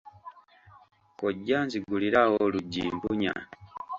Kojja nzigulirawo oluggi mpunya.